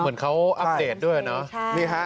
เหมือนเขาอัปเดตด้วยเนาะ